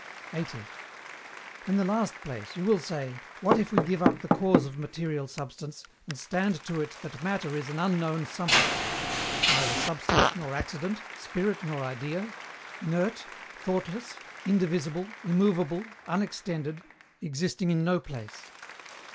80. In the last place, you will say, what if we give up the cause of material Substance, and stand to it that Matter is an unknown somewhat neither substance nor accident, spirit nor idea, inert, thoughtless, indivisible, immovable, unextended, existing in no place.